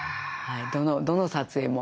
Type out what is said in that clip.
どの撮影も。